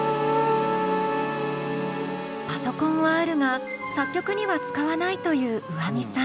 パソコンはあるが作曲には使わないというｕａｍｉさん。